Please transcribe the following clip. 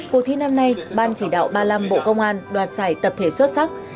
cuộc thi năm nay ban chỉ đạo ba mươi năm bộ công an đoạt giải tập thể xuất sắc